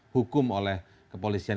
hukum oleh kepolisian